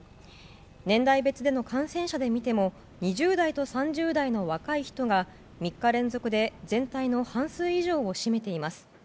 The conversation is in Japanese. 年代別での感染者で見ても２０代と３０代の若い人が３日連続で全体の半数以上を占めています。